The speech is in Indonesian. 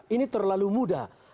ini terlalu mudah